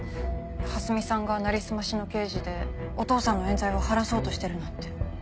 蓮見さんがなりすましの刑事でお父さんの冤罪を晴らそうとしてるなんて。